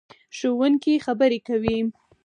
ښوونکې خبرې کوي.